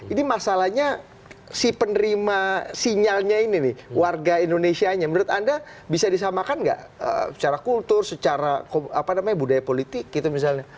ini masalahnya si penerima sinyalnya ini nih warga indonesia nya menurut anda bisa disamakan nggak secara kultur secara apa namanya budaya politik gitu misalnya